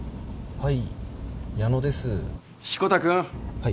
はい？